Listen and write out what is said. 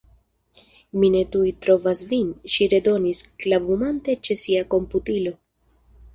Mi ne tuj trovas vin, ŝi redonis, klavumante ĉe sia komputilo.